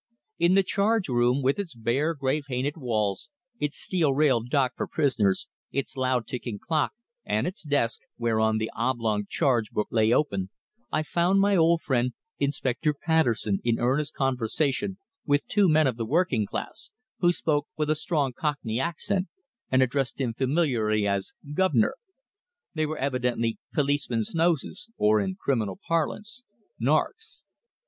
In the charge room, with its bare, grey painted walls, its steel railed dock for prisoners, its loud ticking clock, and its desk, whereon the oblong charge book lay open, I found my old friend Inspector Patterson in earnest conversation with two men of the working class, who spoke with a strong Cockney accent and addressed him familiarly as "guv'nor." They were evidently policemen's noses, or, in criminal parlance, "narks."